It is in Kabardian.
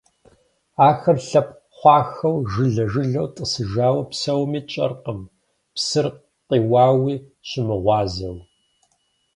Ахэр лъэпкъ хъуахэу, жылэ-жылэу тӀысыжауэ псэуми, тщӀэркъым, псыр къиуауи щымыгъуазэу.